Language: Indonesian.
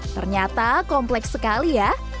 ternyata kompleks sekali ya